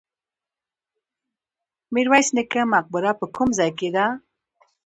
میرویس نیکه مقبره په کوم ځای کې ده؟